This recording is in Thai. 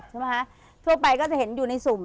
ใช่ไหมคะทั่วไปก็จะเห็นอยู่ในสุ่ม